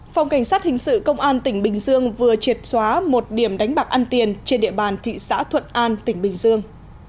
phòng cảnh sát hình sự công an tỉnh bình dương vừa triệt xóa một điểm đánh bạc ăn tiền trên địa bàn thị xã thuận an tỉnh bình dương